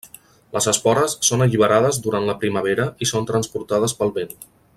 Les espores són alliberades durant la primavera i són transportades pel vent.